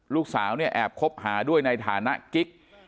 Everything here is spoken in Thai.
ลูกสาวเนี่ยแอบคบหาด้วยในฐานะกิ๊ก